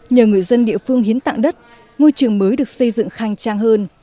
nhờ người dân địa phương hiến tặng đất ngôi trường mới được xây dựng khăng trăng hơn